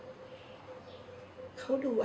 แล้วบอกว่าไม่รู้นะ